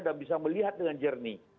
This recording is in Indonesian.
dan bisa melihat dengan jernih